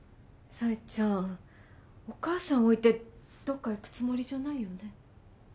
冴ちゃんお母さん置いてどっか行くつもりじゃないよね？